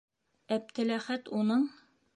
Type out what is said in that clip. Әптеләхәт уның: